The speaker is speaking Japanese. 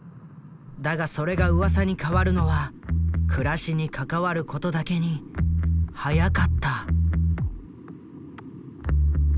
だがそれがうわさに変わるのは暮らしに関わることだけに早かった。